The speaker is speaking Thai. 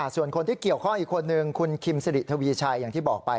ส่วนคนที่เกี่ยวข้องอีกคนนึงคุณคิมสิริทวีชัยอย่างที่บอกไป